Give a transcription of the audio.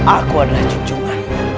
aku adalah cuncungan